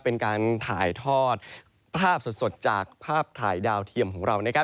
เป็นการถ่ายทอดภาพสดจากภาพถ่ายดาวเทียมของเรานะครับ